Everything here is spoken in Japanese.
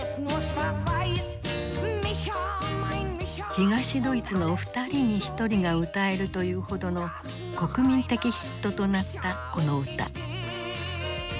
東ドイツの２人に１人が歌えるというほどの国民的ヒットとなったこの歌。